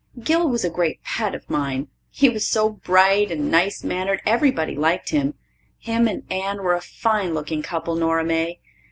Gil was a great pet of mine. He was so bright and nice mannered everybody liked him. Him and Anne were a fine looking couple, Nora May.